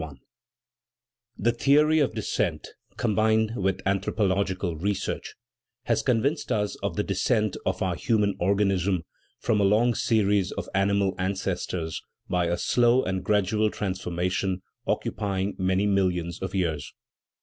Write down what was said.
r "THE theory of descent, combined with anthropolog * ical research, has convinced us of the descent of our human organism from a long series of animal an cestors by a slow and gradual transformation occupy ing many millions of years.